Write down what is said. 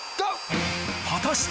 果たして？